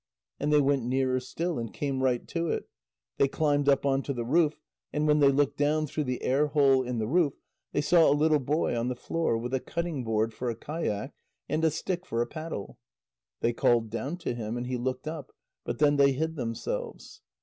And they went nearer still and came right to it. They climbed up on to the roof, and when they looked down through the air hole in the roof, they saw a little boy on the floor with a cutting board for a kayak and a stick for a paddle. They called down to him, and he looked up, but then they hid themselves.